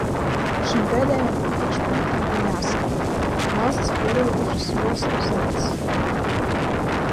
"Šim pēdējam apakšpunktam ir jāskan: "Valsts pierobežas joslu zemes"."